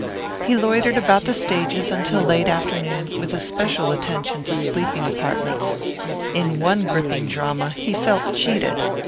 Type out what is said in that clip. He loitered about the stages until late afternoon, with especial attention to sleeping apartments. In one gripping drama he felt cheated.